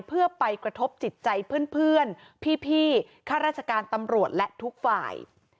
เพื่อไปกระทบจิตใจเพื่อนพี่ข้าราชการตำรวจและทุกฝ่าย